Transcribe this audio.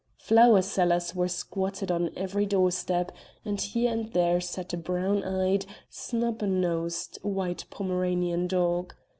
Flower sellers were squatted on every door step, and here and there sat a brown eyed, snub nosed white Pomeranian dog.